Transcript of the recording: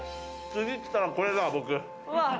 次来たら、これだ、僕。